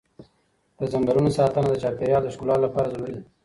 د ځنګلونو ساتنه د چاپېر یال د ښکلا لپاره ضروري ده.